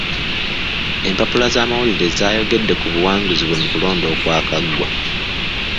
Empapula z'amawulire zaayogedde ku buwanguzi bwe mu kulonda okwakaggwa.